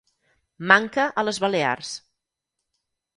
Manca a les Balears.